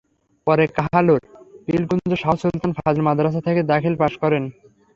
পরে কাহালুর পীলকুঞ্জ শাহ সুলতান ফাজিল মাদ্রাসা থেকে দাখিল পাস করেন।